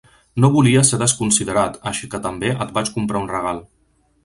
No volia ser desconsiderat, així que també et vaig comprar un regal.